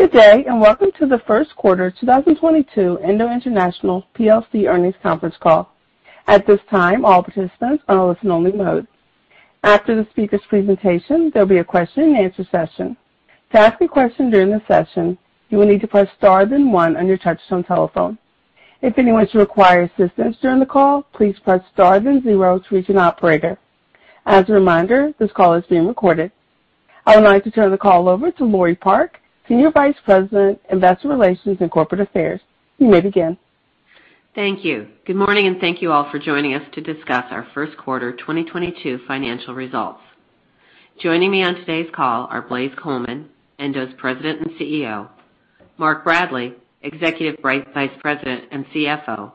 Good day, and welcome to the Q1 2022 Endo International plc earnings conference call. At this time, all participants are in listen only mode. After the speaker's presentation, there'll be a question and answer session. To ask a question during the session, you will need to press Star, then one on your touchtone telephone. If anyone should require assistance during the call, please press Star, then zero to reach an operator. As a reminder, this call is being recorded. I would like to turn the call over to Laure Park, Senior Vice President, Investor Relations and Corporate Affairs. You may begin. Thank you. Good morning, and thank you all for joining us to discuss our Q1 2022 financial results. Joining me on today's call are Blaise Coleman, Endo's President and CEO, Mark Bradley, Executive Vice President and CFO,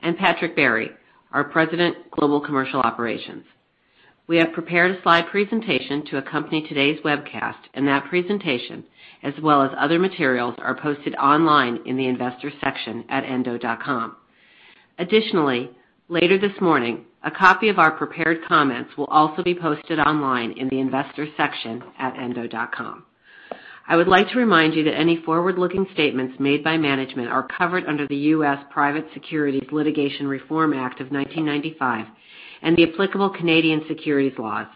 and Patrick Barry, our President, Global Commercial Operations. We have prepared a slide presentation to accompany today's webcast, and that presentation, as well as other materials, are posted online in the investors section at endo.com. Additionally, later this morning, a copy of our prepared comments will also be posted online in the investors section at endo.com. I would like to remind you that any forward-looking statements made by management are covered under the U.S. Private Securities Litigation Reform Act of 1995 and the applicable Canadian securities laws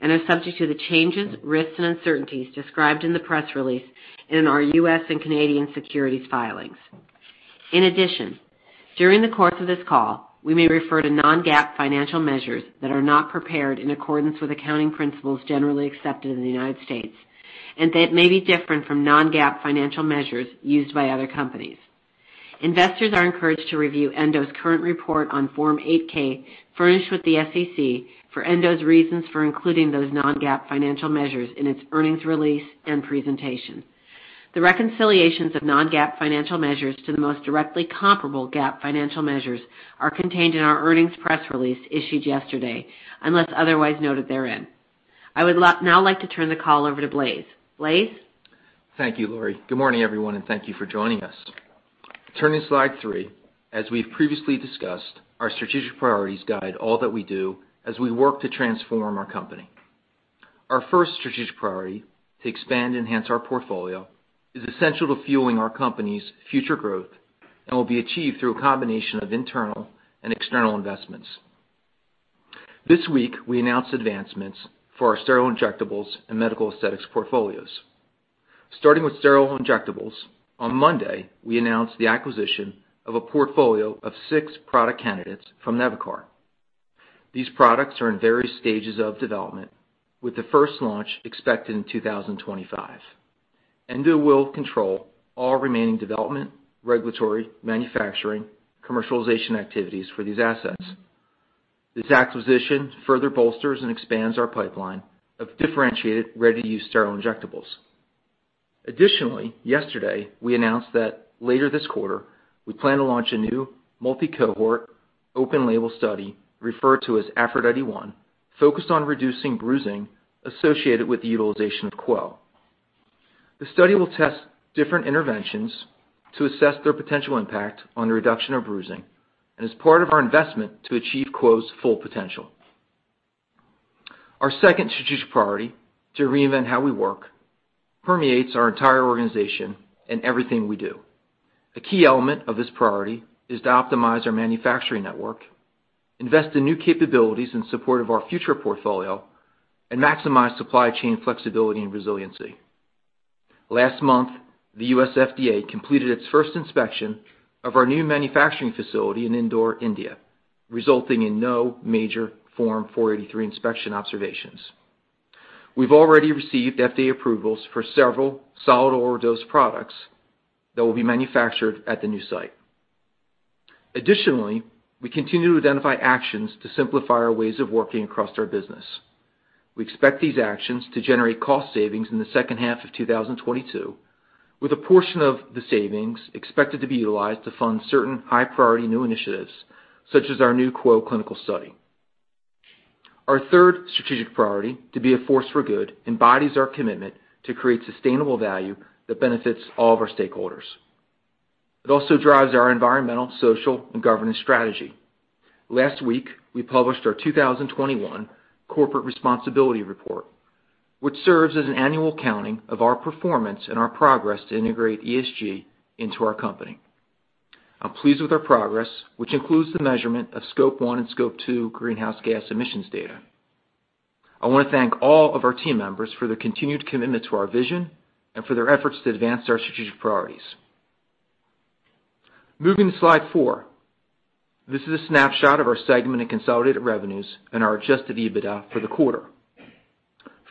and are subject to the changes, risks, and uncertainties described in the press release in our U.S. and Canadian securities filings. In addition, during the course of this call, we may refer to non-GAAP financial measures that are not prepared in accordance with accounting principles generally accepted in the United States and that may be different from non-GAAP financial measures used by other companies. Investors are encouraged to review Endo's current report on Form 8-K furnished with the SEC for Endo's reasons for including those non-GAAP financial measures in its earnings release and presentation. The reconciliations of non-GAAP financial measures to the most directly comparable GAAP financial measures are contained in our earnings press release issued yesterday, unless otherwise noted therein. I would now like to turn the call over to Blaise. Blaise? Thank you, Laure. Good morning, everyone, and thank you for joining us. Turning to slide three, as we've previously discussed, our strategic priorities guide all that we do as we work to transform our company. Our first strategic priority, to expand and enhance our portfolio, is essential to fueling our company's future growth and will be achieved through a combination of internal and external investments. This week, we announced advancements for our sterile injectables and medical aesthetics portfolios. Starting with sterile injectables, on Monday, we announced the acquisition of a portfolio of six product candidates from Nevakar. These products are in various stages of development, with the first launch expected in 2025. Endo will control all remaining development, regulatory, manufacturing, commercialization activities for these assets. This acquisition further bolsters and expands our pipeline of differentiated, ready-to-use sterile injectables. Additionally, yesterday, we announced that later this quarter, we plan to launch a new multi-cohort open label study referred to as APHRODITE-1, focused on reducing bruising associated with the utilization of QWO. The study will test different interventions to assess their potential impact on the reduction of bruising and is part of our investment to achieve QWO's full potential. Our second strategic priority, to reinvent how we work, permeates our entire organization and everything we do. A key element of this priority is to optimize our manufacturing network, invest in new capabilities in support of our future portfolio, and maximize supply chain flexibility and resiliency. Last month, the U.S. FDA completed its first inspection of our new manufacturing facility in Indore, India, resulting in no major Form 483 inspection observations. We've already received FDA approvals for several solid oral dosage products that will be manufactured at the new site. Additionally, we continue to identify actions to simplify our ways of working across our business. We expect these actions to generate cost savings in the second half of 2022, with a portion of the savings expected to be utilized to fund certain high-priority new initiatives, such as our new Quell clinical study. Our third strategic priority, to be a force for good, embodies our commitment to create sustainable value that benefits all of our stakeholders. It also drives our environmental, social, and governance strategy. Last week, we published our 2021 corporate responsibility report, which serves as an annual accounting of our performance and our progress to integrate ESG into our company. I'm pleased with our progress, which includes the measurement of Scope 1 and Scope 2 greenhouse gas emissions data. I want to thank all of our team members for their continued commitment to our vision and for their efforts to advance our strategic priorities. Moving to slide four. This is a snapshot of our segment and consolidated revenues and our Adjusted EBITDA for the quarter.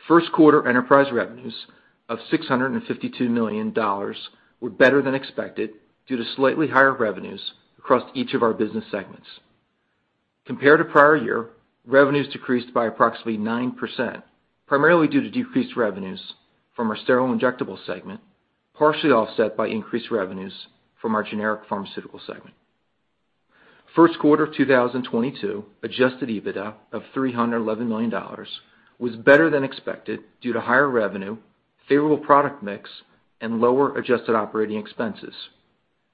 Q1 enterprise revenues of $652 million were better than expected due to slightly higher revenues across each of our business segments. Compared to prior year, revenues decreased by approximately 9%, primarily due to decreased revenues from our sterile injectable segment, partially offset by increased revenues from our generic pharmaceutical segment. Q1 of 2022 Adjusted EBITDA of $311 million was better than expected due to higher revenue, favorable product mix, and lower adjusted operating expenses.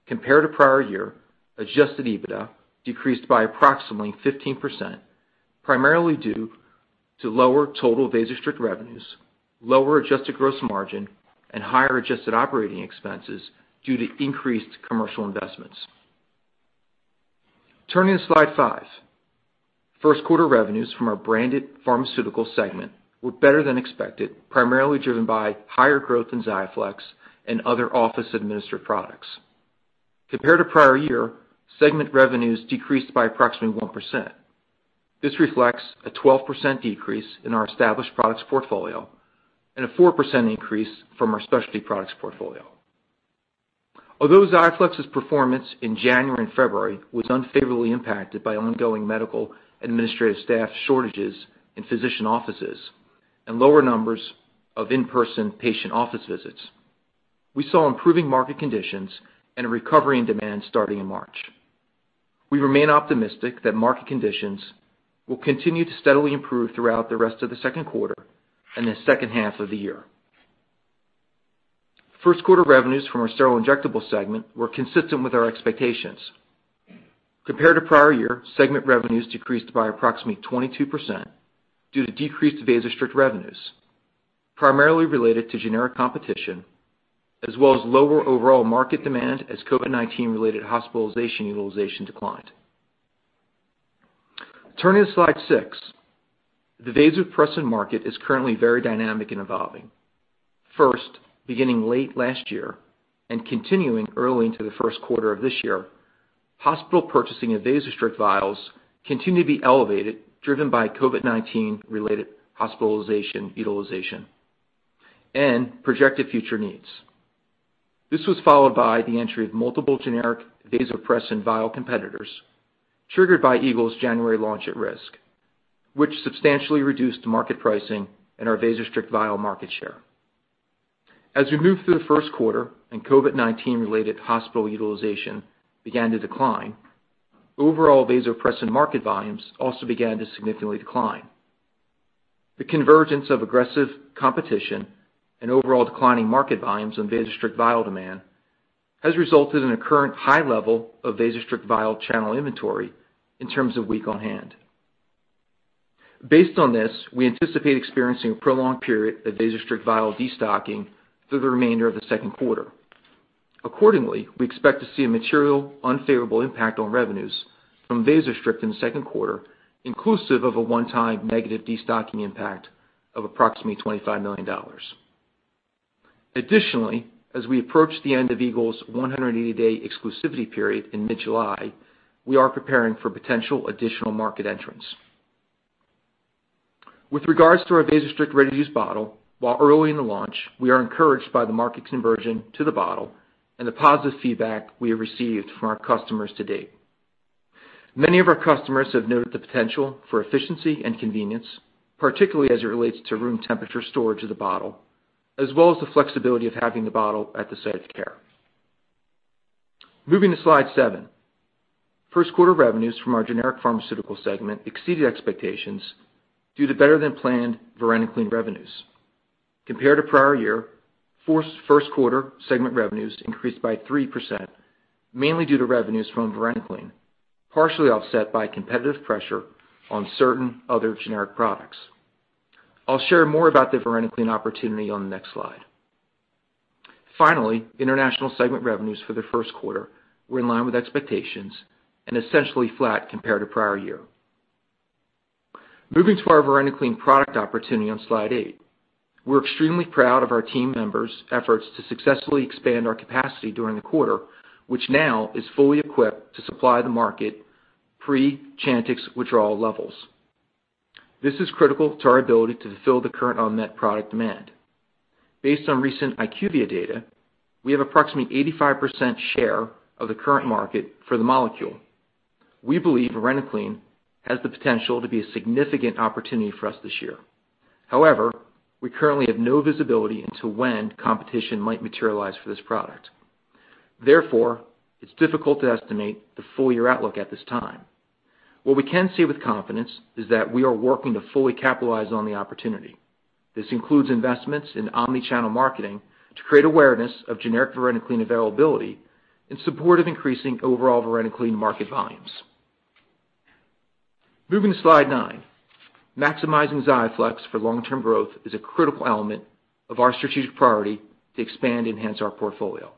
Compared to prior year, Adjusted EBITDA decreased by approximately 15%, primarily due to lower total VASOSTRICT revenues, lower adjusted gross margin and higher adjusted operating expenses due to increased commercial investments. Turning to slide five. Q1 revenues from our branded pharmaceutical segment were better than expected, primarily driven by higher growth in XIAFLEX and other office administered products. Compared to prior year, segment revenues decreased by approximately 1%. This reflects a 12% decrease in our established products portfolio and a 4% increase from our specialty products portfolio. Although XIAFLEX's performance in January and February was unfavorably impacted by ongoing medical and administrative staff shortages in physician offices and lower numbers of in-person patient office visits, we saw improving market conditions and a recovery in demand starting in March. We remain optimistic that market conditions will continue to steadily improve throughout the rest of the Q2 and the second half of the year. Q1 revenues from our sterile injectable segment were consistent with our expectations. Compared to prior year, segment revenues decreased by approximately 22% due to decreased VASOSTRICT revenues, primarily related to generic competition, as well as lower overall market demand as COVID-19 related hospitalization utilization declined. Turning to Slide 6. The vasopressin market is currently very dynamic and evolving. First, beginning late last year and continuing early into the Q1 of this year, hospital purchasing of VASOSTRICT vials continued to be elevated, driven by COVID-19 related hospitalization utilization and projected future needs. This was followed by the entry of multiple generic vasopressin vial competitors, triggered by Eagle's January launch at risk, which substantially reduced market pricing and our VASOSTRICT vial market share. As we moved through the Q1 and COVID-19 related hospital utilization began to decline, overall vasopressin market volumes also began to significantly decline. The convergence of aggressive competition and overall declining market volumes on VASOSTRICT vial demand has resulted in a current high level of VASOSTRICT vial channel inventory in terms of week on hand. Based on this, we anticipate experiencing a prolonged period of VASOSTRICT vial destocking through the remainder of the Q2. Accordingly, we expect to see a material unfavorable impact on revenues from VASOSTRICT in the Q2, inclusive of a one-time negative destocking impact of approximately $25 million. Additionally, as we approach the end of Eagle's 180-day exclusivity period in mid-July, we are preparing for potential additional market entrants. With regards to our VASOSTRICT ready-use bottle, while early in the launch, we are encouraged by the market conversion to the bottle and the positive feedback we have received from our customers to date. Many of our customers have noted the potential for efficiency and convenience, particularly as it relates to room temperature storage of the bottle, as well as the flexibility of having the bottle at the site of care. Moving to slide seven. Q1 revenues from our generic pharmaceutical segment exceeded expectations due to better-than-planned Varenicline revenues. Compared to prior year, Q1 segment revenues increased by 3%, mainly due to revenues from Varenicline, partially offset by competitive pressure on certain other generic products. I'll share more about the Varenicline opportunity on the next slide. Finally, international segment revenues for the Q1 were in line with expectations and essentially flat compared to prior year. Moving to our Varenicline product opportunity on slide eight. We're extremely proud of our team members' efforts to successfully expand our capacity during the quarter, which now is fully equipped to supply the market pre-Chantix withdrawal levels. This is critical to our ability to fill the current unmet product demand. Based on recent IQVIA data, we have approximately 85% share of the current market for the molecule. We believe Varenicline has the potential to be a significant opportunity for us this year. However, we currently have no visibility into when competition might materialize for this product. Therefore, it's difficult to estimate the full year outlook at this time. What we can say with confidence is that we are working to fully capitalize on the opportunity. This includes investments in omni-channel marketing to create awareness of generic Varenicline availability in support of increasing overall Varenicline market volumes. Moving to slide nine. Maximizing XIAFLEX for long-term growth is a critical element of our strategic priority to expand and enhance our portfolio.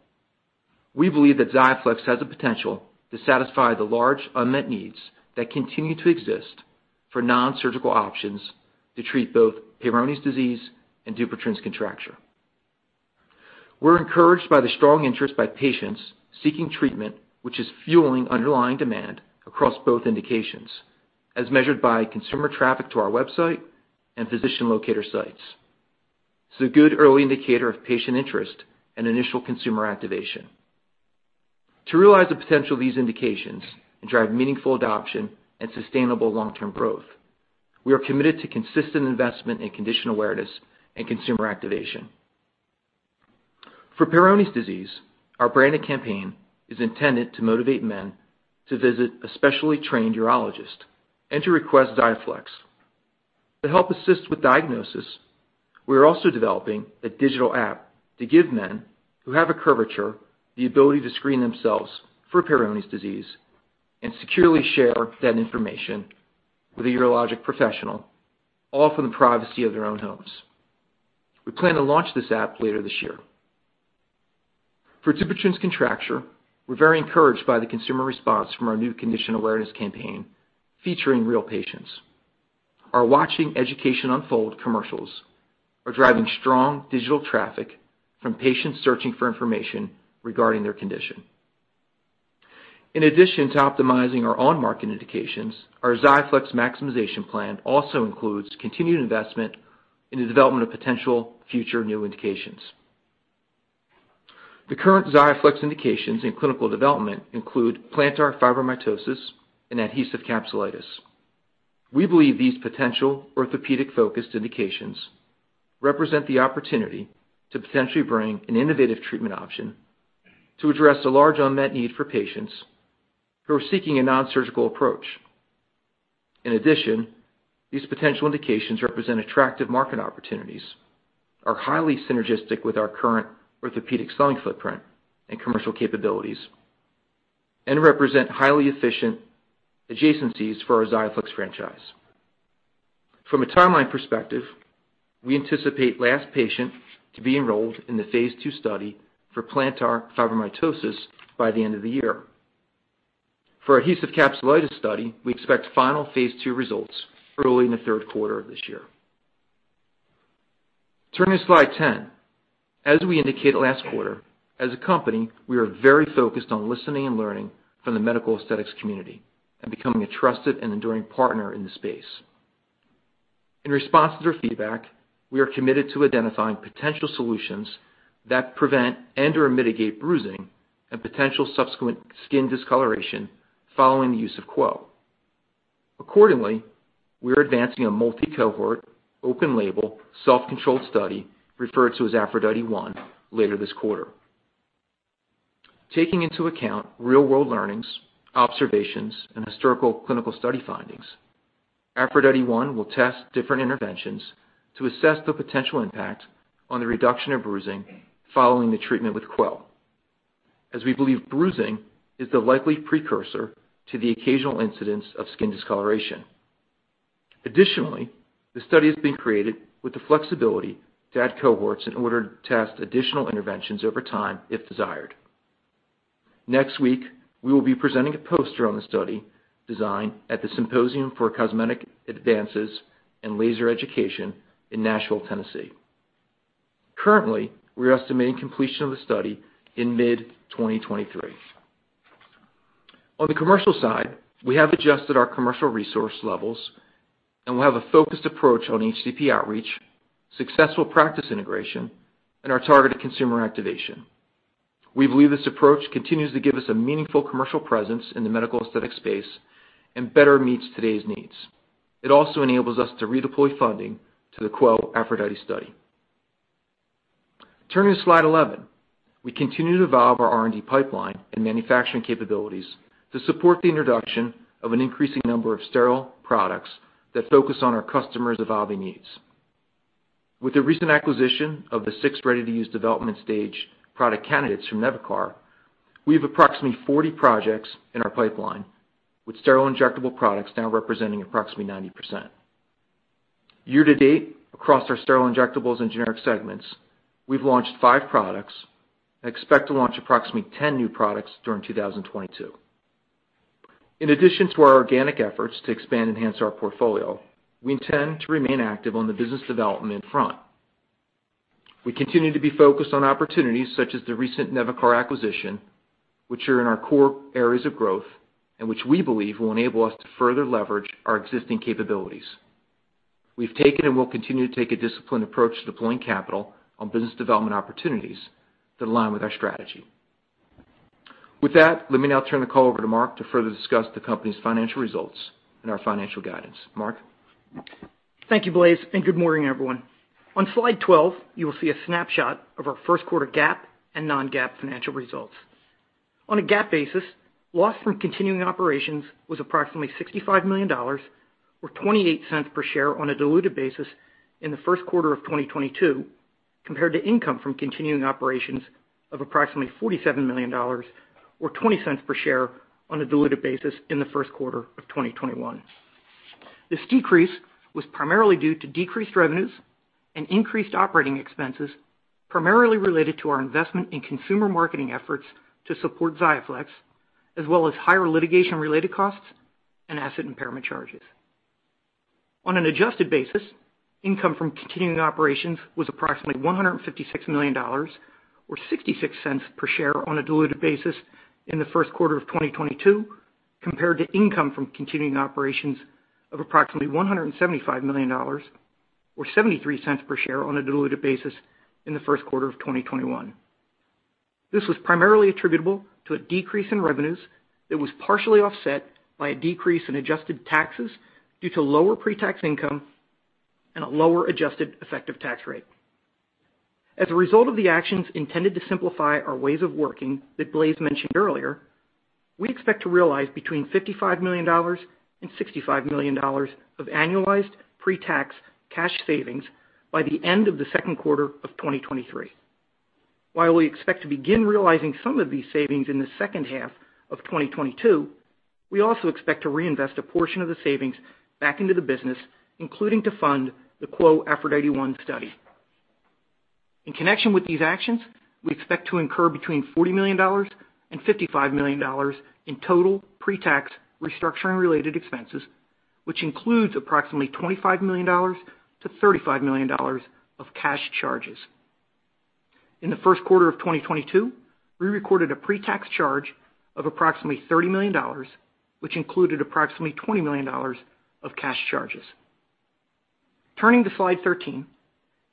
We believe that XIAFLEX has the potential to satisfy the large unmet needs that continue to exist for non-surgical options to treat both Peyronie's disease and Dupuytren's contracture. We're encouraged by the strong interest by patients seeking treatment, which is fueling underlying demand across both indications, as measured by consumer traffic to our website and physician locator sites. It's a good early indicator of patient interest and initial consumer activation. To realize the potential of these indications and drive meaningful adoption and sustainable long-term growth, we are committed to consistent investment in condition awareness and consumer activation. For Peyronie's disease, our branded campaign is intended to motivate men to visit a specially trained urologist and to request XIAFLEX. To help assist with diagnosis, we are also developing a digital app to give men who have a curvature the ability to screen themselves for Peyronie's disease and securely share that information with a urologic professional, all from the privacy of their own homes. We plan to launch this app later this year. For Dupuytren's contracture, we're very encouraged by the consumer response from our new condition awareness campaign featuring real patients. Our Watching Education Unfold commercials are driving strong digital traffic from patients searching for information regarding their condition. In addition to optimizing our on-market indications, our XIAFLEX maximization plan also includes continued investment in the development of potential future new indications. The current XIAFLEX indications in clinical development include plantar fibromatosis and adhesive capsulitis. We believe these potential orthopedic-focused indications represent the opportunity to potentially bring an innovative treatment option to address a large unmet need for patients who are seeking a nonsurgical approach. In addition, these potential indications represent attractive market opportunities, are highly synergistic with our current orthopedic selling footprint and commercial capabilities, and represent highly efficient adjacencies for our XIAFLEX franchise. From a timeline perspective, we anticipate last patient to be enrolled in the phase II study for plantar fibromatosis by the end of the year. For adhesive capsulitis study, we expect final phase II results early in the Q3 of this year. Turning to slide 10. As we indicated last quarter, as a company, we are very focused on listening and learning from the medical aesthetics community and becoming a trusted and enduring partner in the space. In response to their feedback, we are committed to identifying potential solutions that prevent and/or mitigate bruising and potential subsequent skin discoloration following the use of QWO. Accordingly, we are advancing a multi-cohort, open-label, self-controlled study referred to as APHRODITE-1 later this quarter. Taking into account real-world learnings, observations, and historical clinical study findings, APHRODITE-1 will test different interventions to assess the potential impact on the reduction of bruising following the treatment with QWO, as we believe bruising is the likely precursor to the occasional incidence of skin discoloration. Additionally, the study is being created with the flexibility to add cohorts in order to test additional interventions over time if desired. Next week, we will be presenting a poster on the study design at the Symposium for Cosmetic Advances & Laser Education in Nashville, Tennessee. Currently, we're estimating completion of the study in mid-2023. On the commercial side, we have adjusted our commercial resource levels, and we'll have a focused approach on HCP outreach, successful practice integration, and our targeted consumer activation. We believe this approach continues to give us a meaningful commercial presence in the medical aesthetics space and better meets today's needs. It also enables us to redeploy funding to the QWO Aphrodite study. Turning to slide 11. We continue to evolve our R&D pipeline and manufacturing capabilities to support the introduction of an increasing number of sterile products that focus on our customers' evolving needs. With the recent acquisition of the 6 ready-to-use development stage product candidates from Nevakar, we have approximately 40 projects in our pipeline, with sterile injectable products now representing approximately 90%. Year to date, across our sterile injectables and generic segments, we've launched five products and expect to launch approximately 10 new products during 2022. In addition to our organic efforts to expand and enhance our portfolio, we intend to remain active on the business development front. We continue to be focused on opportunities such as the recent Nevakar acquisition, which are in our core areas of growth and which we believe will enable us to further leverage our existing capabilities. We've taken and will continue to take a disciplined approach to deploying capital on business development opportunities that align with our strategy. With that, let me now turn the call over to Mark to further discuss the company's financial results and our financial guidance. Mark? Thank you, Blaise, and good morning, everyone. On slide 12, you will see a snapshot of our Q1 GAAP and non-GAAP financial results. On a GAAP basis, loss from continuing operations was approximately $65 million or $0.28 per share on a diluted basis in the Q1 of 2022, compared to income from continuing operations of approximately $47 million or $0.20 per share on a diluted basis in the Q1 of 2021. This decrease was primarily due to decreased revenues and increased operating expenses, primarily related to our investment in consumer marketing efforts to support XIAFLEX, as well as higher litigation-related costs and asset impairment charges. On an adjusted basis, income from continuing operations was approximately $156 million or 66 cents per share on a diluted basis in the Q1 of 2022, compared to income from continuing operations of approximately $175 million or 73 cents per share on a diluted basis in the Q1 of 2021. This was primarily attributable to a decrease in revenues that was partially offset by a decrease in adjusted taxes due to lower pre-tax income and a lower adjusted effective tax rate. As a result of the actions intended to simplify our ways of working that Blaise mentioned earlier, we expect to realize between $55 to 65 million of annualized pre-tax cash savings by the end of the Q2 of 2023. While we expect to begin realizing some of these savings in the second half of 2022, we also expect to reinvest a portion of the savings back into the business, including to fund the APHRODITE-1 study. In connection with these actions, we expect to incur between $40 to 55 million in total pre-tax restructuring related expenses, which includes approximately $25 to 35 million of cash charges. In the Q1 of 2022, we recorded a pre-tax charge of approximately $30 million, which included approximately $20 million of cash charges. Turning to slide 13.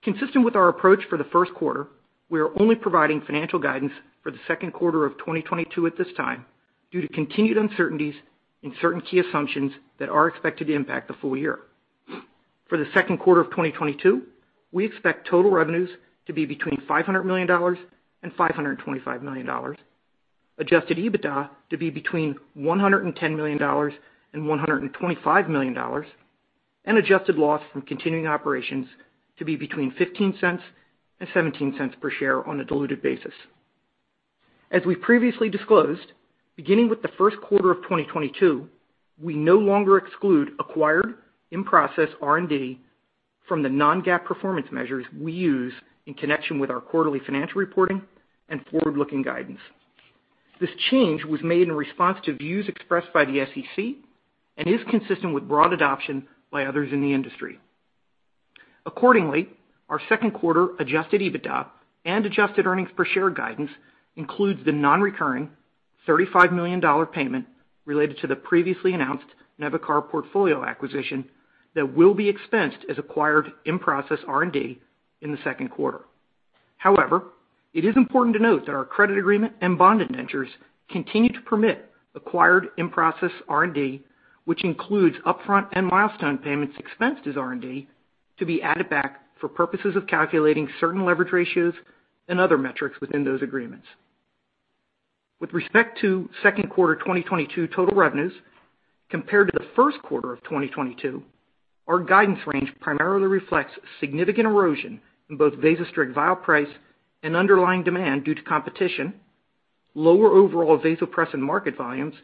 Consistent with our approach for the Q1, we are only providing financial guidance for the Q2 of 2022 at this time due to continued uncertainties in certain key assumptions that are expected to impact the full year. For the Q2 of 2022, we expect total revenues to be between $500 to 525 million, Adjusted EBITDA to be between $110 to 125 million, and adjusted loss from continuing operations to be between $0.15 and $0.17 per share on a diluted basis. As we previously disclosed, beginning with the Q1 of 2022, we no longer exclude acquired in-process R&D from the non-GAAP performance measures we use in connection with our quarterly financial reporting and forward-looking guidance. This change was made in response to views expressed by the SEC and is consistent with broad adoption by others in the industry. Accordingly, our Q2 Adjusted EBITDA and adjusted earnings per share guidance includes the non-recurring $35 million payment related to the previously announced Nevakar portfolio acquisition that will be expensed as acquired in-process R&D in the Q2. However, it is important to note that our credit agreement and bond indentures continue to permit acquired in-process R&D, which includes upfront and milestone payments expensed as R&D, to be added back for purposes of calculating certain leverage ratios and other metrics within those agreements. With respect to Q2 2022 total revenues compared to the Q1 of 2022, our guidance range primarily reflects significant erosion in both VASOSTRICT vial price and underlying demand due to competition, lower overall vasopressin market volumes,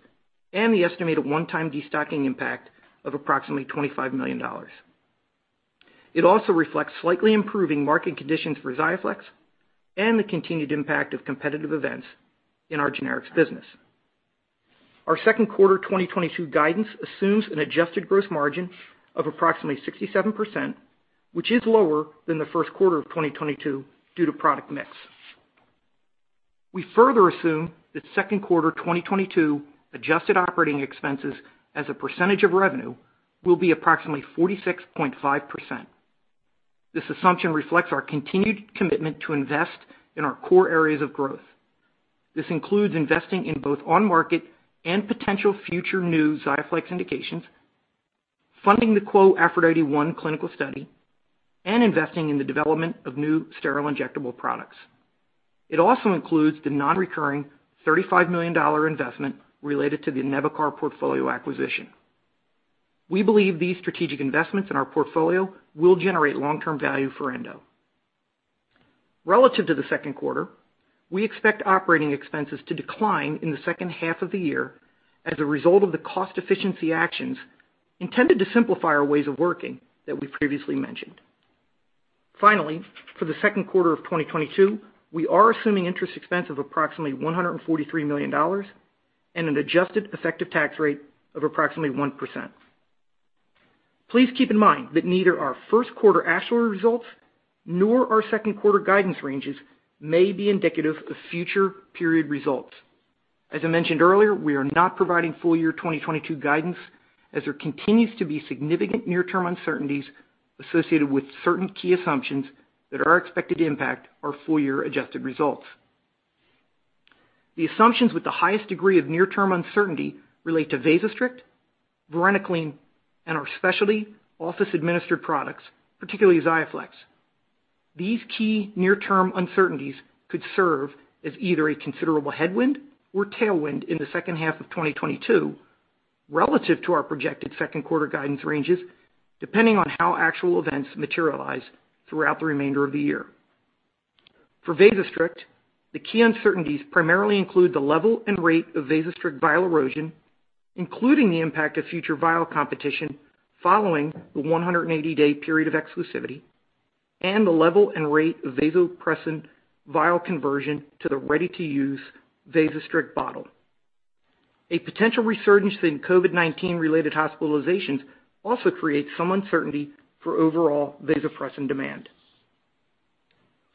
and the estimated one-time destocking impact of approximately $25 million. It also reflects slightly improving market conditions for XIAFLEX and the continued impact of competitive events in our generics business. Our Q2 2022 guidance assumes an adjusted gross margin of approximately 67%, which is lower than the Q1 of 2022 due to product mix. We further assume that Q2 2022 adjusted operating expenses as a percentage of revenue will be approximately 46.5%. This assumption reflects our continued commitment to invest in our core areas of growth. This includes investing in both on market and potential future new XIAFLEX indications, funding the APHRODITE-1 clinical study, and investing in the development of new sterile injectable products. It also includes the non-recurring $35 million investment related to the Nevakar portfolio acquisition. We believe these strategic investments in our portfolio will generate long-term value for Endo. Relative to the Q2, we expect operating expenses to decline in the second half of the year as a result of the cost efficiency actions intended to simplify our ways of working that we previously mentioned. Finally, for the Q2 of 2022, we are assuming interest expense of approximately $143 million and an adjusted effective tax rate of approximately 1%. Please keep in mind that neither our Q1 actual results nor our Q2 guidance ranges may be indicative of future period results. As I mentioned earlier, we are not providing full year 2022 guidance as there continues to be significant near-term uncertainties associated with certain key assumptions that are expected to impact our full year adjusted results. The assumptions with the highest degree of near-term uncertainty relate to VASOSTRICT, Varenicline, and our specialty office administered products, particularly XIAFLEX. These key near-term uncertainties could serve as either a considerable headwind or tailwind in the second half of 2022 relative to our projected Q2 guidance ranges, depending on how actual events materialize throughout the remainder of the year. For VASOSTRICT, the key uncertainties primarily include the level and rate of VASOSTRICT vial erosion, including the impact of future vial competition following the 180-day period of exclusivity and the level and rate of vasopressin vial conversion to the ready-to-use VASOSTRICT bottle. A potential resurgence in COVID-19 related hospitalizations also creates some uncertainty for overall vasopressin demand.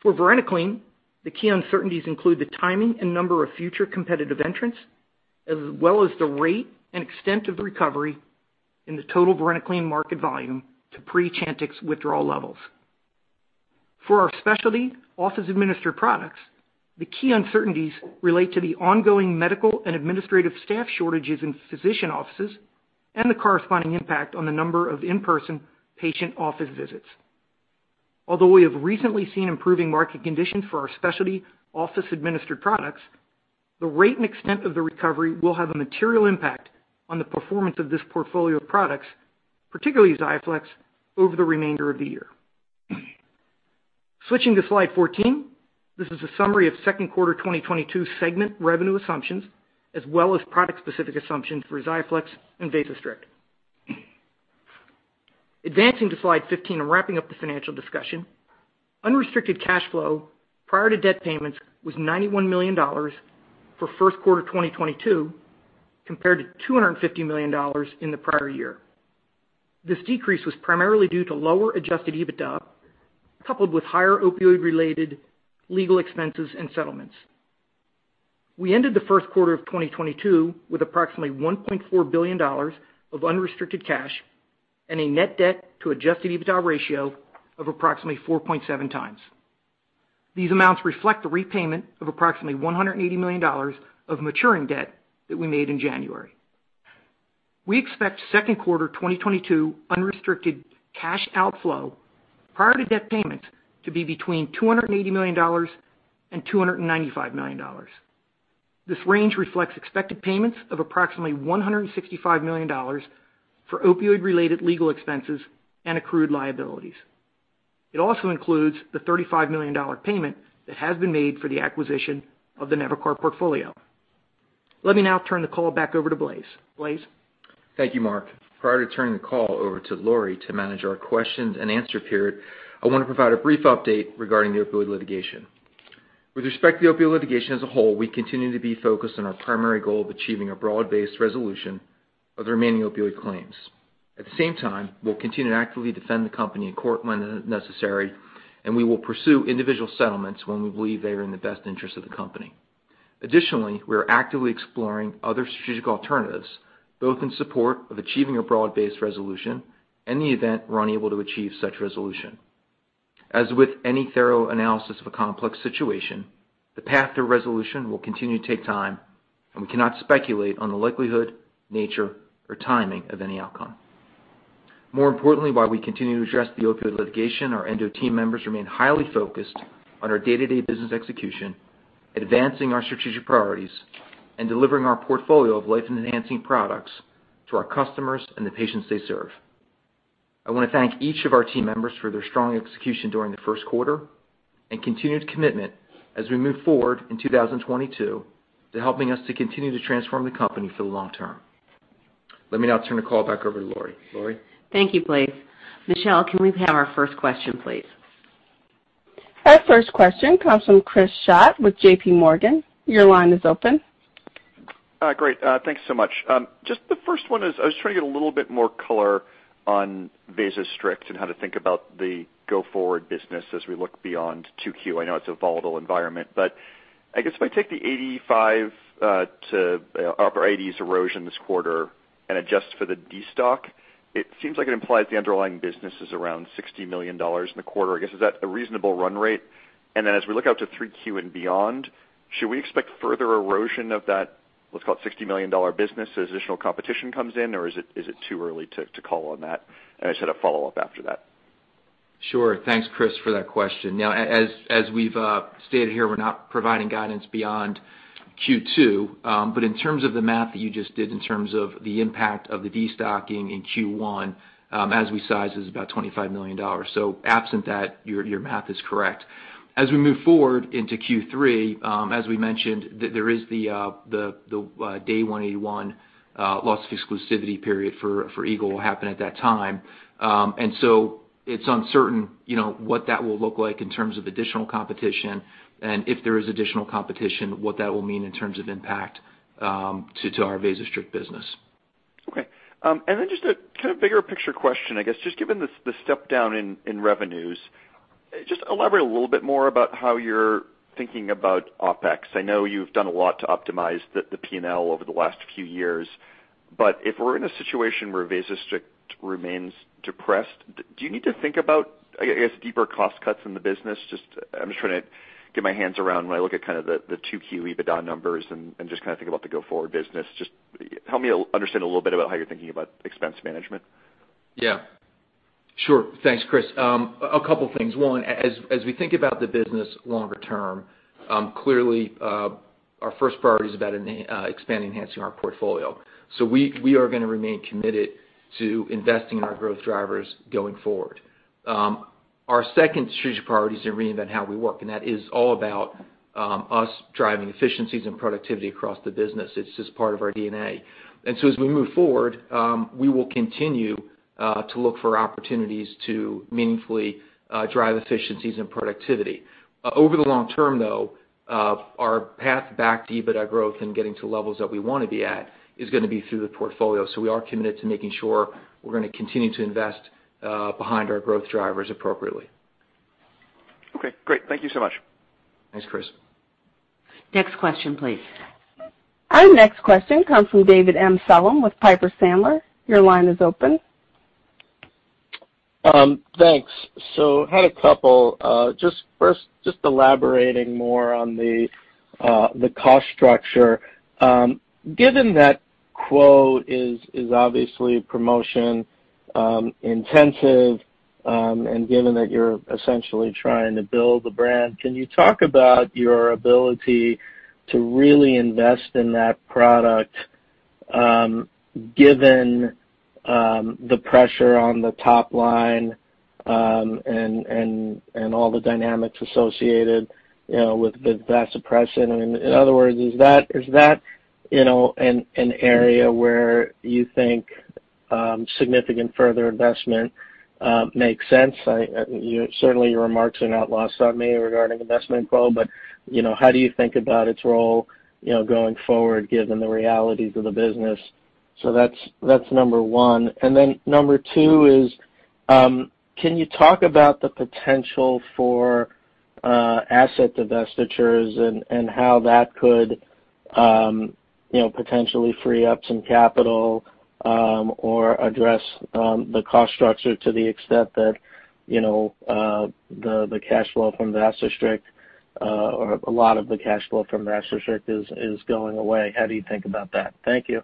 For Varenicline, the key uncertainties include the timing and number of future competitive entrants, as well as the rate and extent of recovery in the total Varenicline market volume to pre-Chantix withdrawal levels. For our specialty office administered products, the key uncertainties relate to the ongoing medical and administrative staff shortages in physician offices and the corresponding impact on the number of in-person patient office visits. Although we have recently seen improving market conditions for our specialty office administered products, the rate and extent of the recovery will have a material impact on the performance of this portfolio of products, particularly XIAFLEX, over the remainder of the year. Switching to slide 14, this is a summary of Q2 2022 segment revenue assumptions, as well as product-specific assumptions for XIAFLEX and VASOSTRICT. Advancing to slide 15 and wrapping up the financial discussion, unrestricted cash flow prior to debt payments was $91 million for Q1 2022, compared to $250 million in the prior year. This decrease was primarily due to lower Adjusted EBITDA, coupled with higher opioid-related legal expenses and settlements. We ended the Q1 of 2022 with approximately $1.4 billion of unrestricted cash and a net debt to Adjusted EBITDA ratio of approximately 4.7 times. These amounts reflect the repayment of approximately $180 million of maturing debt that we made in January. We expect Q2 2022 unrestricted cash outflow prior to debt payments to be between $280 to 295 million. This range reflects expected payments of approximately $165 million for opioid related legal expenses and accrued liabilities. It also includes the $35 million payment that has been made for the acquisition of the Nevakar portfolio. Let me now turn the call back over to Blaise. Blaise? Thank you, Mark. Prior to turning the call over to Laure to manage our question and answer period, I want to provide a brief update regarding the opioid litigation. With respect to the opioid litigation as a whole, we continue to be focused on our primary goal of achieving a broad-based resolution of the remaining opioid claims. At the same time, we'll continue to actively defend the company in court when necessary, and we will pursue individual settlements when we believe they are in the best interest of the company. Additionally, we are actively exploring other strategic alternatives, both in support of achieving a broad-based resolution in the event we're unable to achieve such resolution. As with any thorough analysis of a complex situation, the path to resolution will continue to take time, and we cannot speculate on the likelihood, nature, or timing of any outcome. More importantly, while we continue to address the opioid litigation, our Endo team members remain highly focused on our day-to-day business execution, advancing our strategic priorities, and delivering our portfolio of life-enhancing products to our customers and the patients they serve. I wanna thank each of our team members for their strong execution during the Q1 and continued commitment as we move forward in 2022 to helping us to continue to transform the company for the long term. Let me now turn the call back over to Laure. Laure? Thank you, Blaise. Michelle, can we have our first question, please? Our first question comes from Chris Schott with JPMorgan. Your line is open. Great. Thanks so much. Just the first one is I was trying to get a little bit more color on VASOSTRICT and how to think about the go-forward business as we look beyond Q2. I know it's a volatile environment, but I guess if I take the 85% to upper 80s% erosion this quarter and adjust for the destock, it seems like it implies the underlying business is around $60 million in the quarter. I guess, is that a reasonable run rate? Then as we look out to Q3 and beyond, should we expect further erosion of that, let's call it $60 million business as additional competition comes in, or is it too early to call on that? I just had a follow-up after that. Sure. Thanks, Chris, for that question. Now, as we've stated here, we're not providing guidance beyond Q2. In terms of the math that you just did in terms of the impact of the destocking in Q1, as we size, it's about $25 million. Absent that, your math is correct. As we move forward into Q3, as we mentioned, there is the day 181 loss of exclusivity period for Eagle will happen at that time. It's uncertain, you know, what that will look like in terms of additional competition, and if there is additional competition, what that will mean in terms of impact to our VASOSTRICT business. Okay. Just a kinda bigger picture question, I guess. Just given the step down in revenues, just elaborate a little bit more about how you're thinking about OpEx. I know you've done a lot to optimize the P&L over the last few years, but if we're in a situation where VASOSTRICT remains depressed, do you need to think about, I guess, deeper cost cuts in the business? Just, I'm just trying to get my hands around when I look at kinda the two key EBITDA numbers and just kinda think about the go-forward business. Just help me understand a little bit about how you're thinking about expense management. Yeah. Sure. Thanks, Chris. A couple things. One, as we think about the business longer term, clearly, our first priority is about expanding, enhancing our portfolio. So we are gonna remain committed to investing in our growth drivers going forward. Our second strategic priority is to reinvent how we work, and that is all about us driving efficiencies and productivity across the business. It's just part of our DNA. As we move forward, we will continue to look for opportunities to meaningfully drive efficiencies and productivity. Over the long term, though, our path back to EBITDA growth and getting to levels that we wanna be at is gonna be through the portfolio. So we are committed to making sure we're gonna continue to invest behind our growth drivers appropriately. Okay, great. Thank you so much. Thanks, Chris. Next question, please. Our next question comes from David Amsellem with Piper Sandler. Your line is open. Thanks. First, elaborating more on the cost structure. Given that QWO is obviously promotion intensive, and given that you're essentially trying to build the brand, can you talk about your ability to really invest in that product, given the pressure on the top line, and all the dynamics associated, you know, with that suppression? I mean, in other words, is that an area where you think significant further investment makes sense? Certainly your remarks are not lost on me regarding investment QWO, but, you know, how do you think about its role, you know, going forward, given the realities of the business? That's number one. Then number two is, can you talk about the potential for asset divestitures and how that could, you know, potentially free up some capital, or address the cost structure to the extent that, you know, the cash flow from VASOSTRICT, or a lot of the cash flow from VASOSTRICT is going away? How do you think about that? Thank you.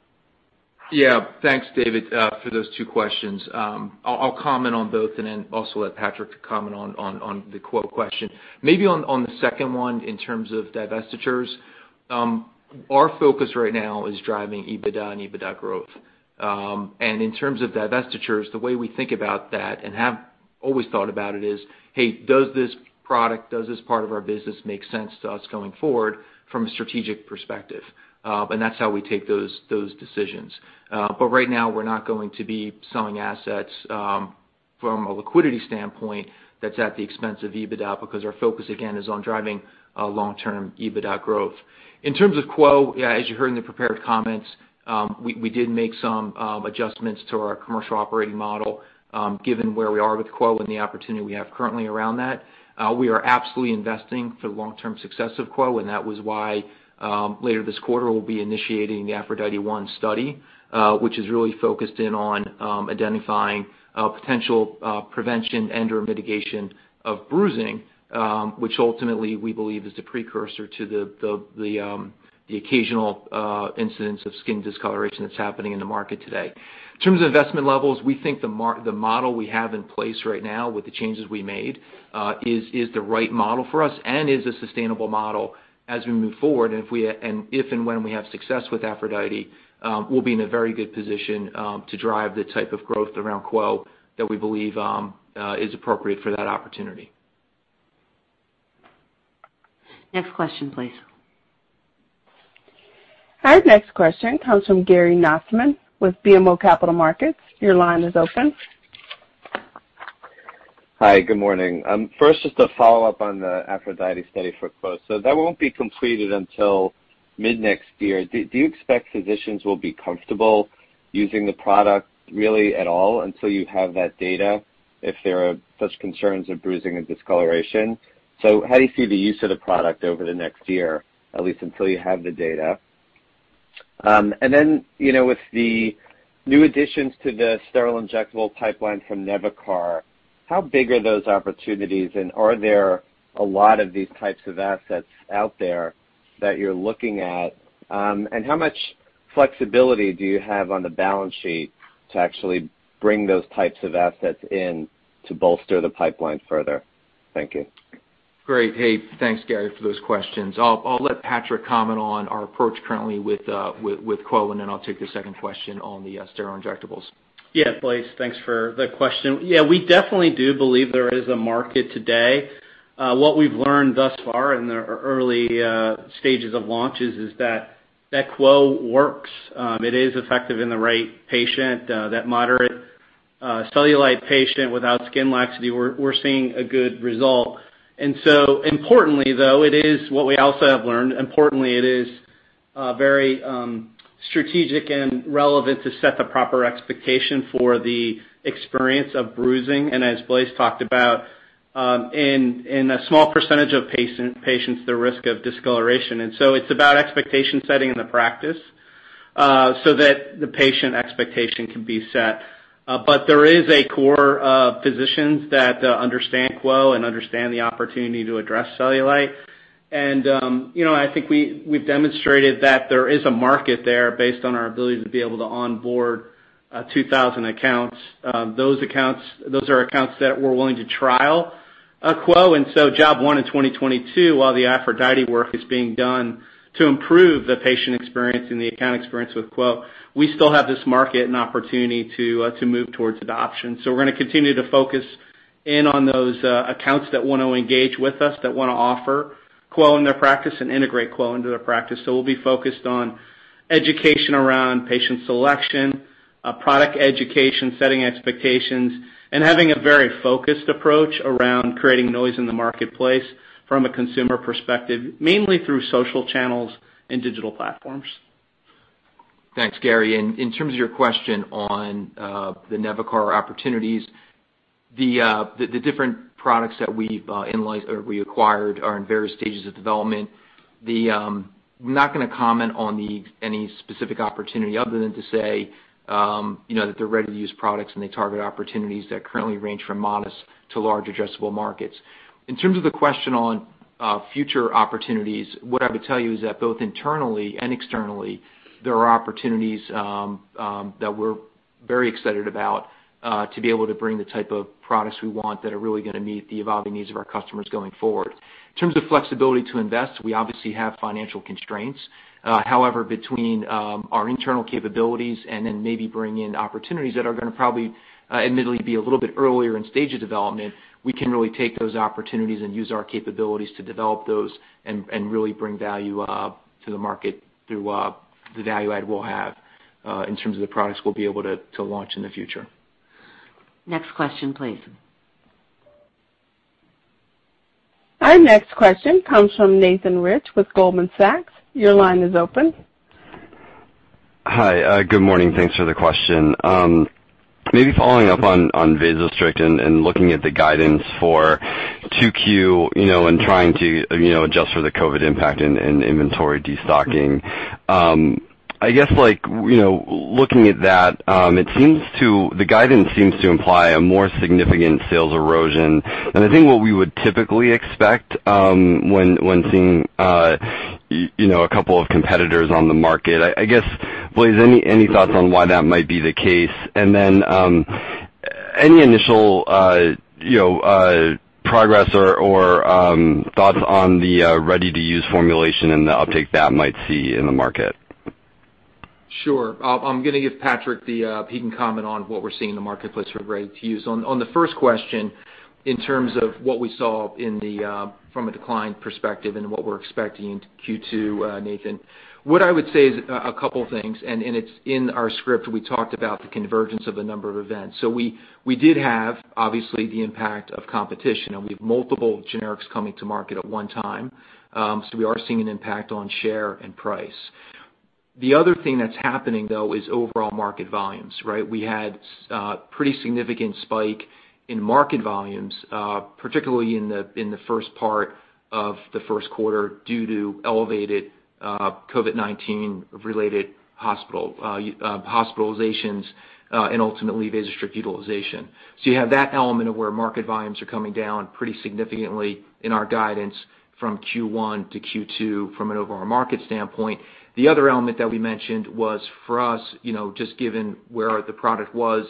Yeah. Thanks, David, for those two questions. I'll comment on both and then also let Patrick comment on the QWO question. Maybe on the second one, in terms of divestitures, our focus right now is driving EBITDA and EBITDA growth. In terms of divestitures, the way we think about that and have always thought about it is, hey, does this product, does this part of our business make sense to us going forward from a strategic perspective? That's how we take those decisions. Right now, we're not going to be selling assets, from a liquidity standpoint that's at the expense of EBITDA because our focus, again, is on driving long-term EBITDA growth. In terms of QWO, yeah, as you heard in the prepared comments, we did make some adjustments to our commercial operating model, given where we are with QWO and the opportunity we have currently around that. We are absolutely investing for the long-term success of QWO, and that was why, later this quarter, we'll be initiating the APHRODITE-1 study, which is really focused in on identifying potential prevention and/or mitigation of bruising, which ultimately we believe is the precursor to the occasional incidence of skin discoloration that's happening in the market today. In terms of investment levels, we think the model we have in place right now with the changes we made is the right model for us and is a sustainable model as we move forward. If and when we have success with APHRODITE, we'll be in a very good position to drive the type of growth around QWO that we believe is appropriate for that opportunity. Next question, please. Our next question comes from Gary Nachman with BMO Capital Markets. Your line is open. Hi. Good morning. First, just a follow-up on the APHRODITE study for QWO. That won't be completed until mid-next year. Do you expect physicians will be comfortable using the product really at all until you have that data if there are such concerns of bruising and discoloration? How do you see the use of the product over the next year, at least until you have the data? And then, you know, with the new additions to the sterile injectable pipeline from Nevakar, how big are those opportunities, and are there a lot of these types of assets out there that you're looking at? And how much flexibility do you have on the balance sheet to actually bring those types of assets in to bolster the pipeline further? Thank you. Great. Hey, thanks, Gary, for those questions. I'll let Patrick comment on our approach currently with QWO, and then I'll take the second question on the sterile injectables. Yeah, Blaise, thanks for the question. Yeah, we definitely do believe there is a market today. What we've learned thus far in the early stages of launches is that QWO works. It is effective in the right patient, that moderate cellulite patient without skin laxity. We're seeing a good result. Importantly, though, it is what we also have learned, importantly, it is very strategic and relevant to set the proper expectation for the experience of bruising, and as Blaise talked about, in a small percentage of patients, the risk of discoloration. It's about expectation setting in the practice, so that the patient expectation can be set. There is a core of physicians that understand QWO and understand the opportunity to address cellulite. You know, I think we've demonstrated that there is a market there based on our ability to be able to onboard 2,000 accounts. Those accounts, those are accounts that were willing to trial QWO. Job one in 2022, while the APHRODITE work is being done to improve the patient experience and the account experience with QWO, we still have this market and opportunity to move towards adoption. We're gonna continue to focus in on those accounts that wanna engage with us, that wanna offer QWO in their practice and integrate QWO into their practice. We'll be focused on education around patient selection, product education, setting expectations, and having a very focused approach around creating noise in the marketplace from a consumer perspective, mainly through social channels and digital platforms. Thanks, Gary. In terms of your question on the Nevakar opportunities, the different products that we've acquired are in various stages of development. I'm not gonna comment on any specific opportunity other than to say, you know, that they're ready-to-use products and they target opportunities that currently range from modest to large addressable markets. In terms of the question on future opportunities, what I would tell you is that both internally and externally there are opportunities that we're very excited about to be able to bring the type of products we want that are really gonna meet the evolving needs of our customers going forward. In terms of flexibility to invest, we obviously have financial constraints. However, between our internal capabilities and then maybe bring in opportunities that are gonna probably admittedly be a little bit earlier in stage of development, we can really take those opportunities and use our capabilities to develop those and really bring value to the market through the value add we'll have in terms of the products we'll be able to to launch in the future. Next question, please. Our next question comes from Nathan Rich with Goldman Sachs. Your line is open. Hi, good morning. Thanks for the question. Maybe following up on VASOSTRICT and looking at the guidance for Q2, you know, and trying to, you know, adjust for the COVID-19 impact and inventory destocking. I guess, like, you know, looking at that, the guidance seems to imply a more significant sales erosion than I think what we would typically expect, when seeing, you know, a couple of competitors on the market. I guess, Blaise, any thoughts on why that might be the case? Any initial, you know, progress or thoughts on the ready-to-use formulation and the uptake that might see in the market? Sure. I'm gonna give Patrick the, he can comment on what we're seeing in the marketplace for ready-to-use. On the first question, in terms of what we saw in the, from a decline perspective and what we're expecting in Q2, Nathan, what I would say is a couple things, and it's in our script, we talked about the convergence of a number of events. We did have, obviously, the impact of competition and we have multiple generics coming to market at one time. We are seeing an impact on share and price. The other thing that's happening though is overall market volumes, right? We had pretty significant spike in market volumes, particularly in the first part of the Q1 due to elevated COVID-19 related hospital hospitalizations and ultimately VASOSTRICT utilization. You have that element of where market volumes are coming down pretty significantly in our guidance from Q1 to Q2 from an overall market standpoint. The other element that we mentioned was for us, you know, just given where the product was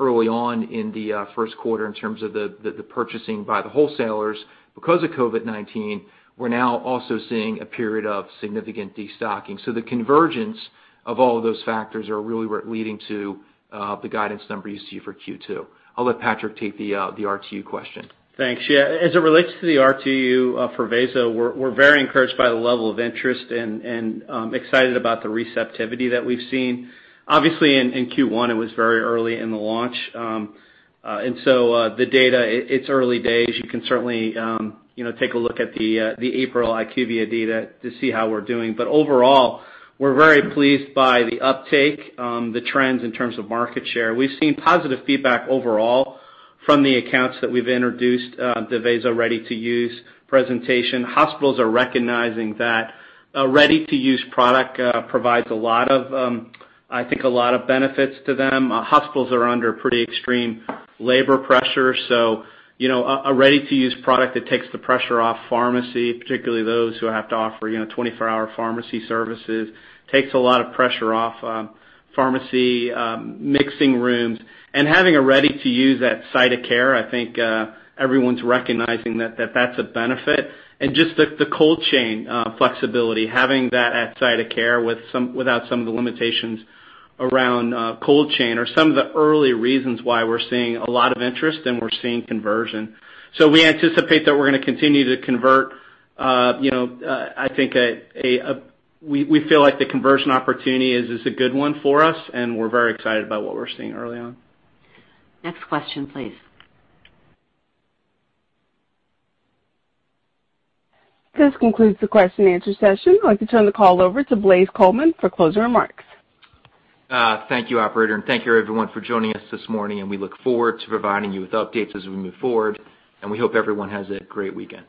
early on in the Q1 in terms of the purchasing by the wholesalers. Because of COVID-19, we're now also seeing a period of significant destocking. The convergence of all of those factors are really leading to the guidance numbers you see for Q2. I'll let Patrick take the RTU question. Thanks. Yeah. As it relates to the RTU for VASOSTRICT, we're very encouraged by the level of interest and excited about the receptivity that we've seen. Obviously in Q1, it was very early in the launch. The data, it's early days. You can certainly, you know, take a look at the April IQVIA data to see how we're doing. But overall, we're very pleased by the uptake, the trends in terms of market share. We've seen positive feedback overall from the accounts that we've introduced, the VASOSTRICT ready-to-use presentation. Hospitals are recognizing that a ready-to-use product provides a lot of, I think a lot of benefits to them. Hospitals are under pretty extreme labor pressure, so you know, a ready-to-use product that takes the pressure off pharmacy, particularly those who have to offer, you know, 24-hour pharmacy services, takes a lot of pressure off, pharmacy, mixing rooms. Having a ready-to-use at site of care, I think, everyone's recognizing that that's a benefit. Just the cold chain flexibility, having that at site of care without some of the limitations around, cold chain are some of the early reasons why we're seeing a lot of interest and we're seeing conversion. We anticipate that we're gonna continue to convert, you know, I think we feel like the conversion opportunity is a good one for us, and we're very excited about what we're seeing early on. Next question, please. This concludes the question and answer session. I'd like to turn the call over to Blaise Coleman for closing remarks. Thank you, operator, and thank you everyone for joining us this morning, and we look forward to providing you with updates as we move forward, and we hope everyone has a great weekend.